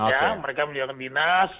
ya mereka menjalankan dinas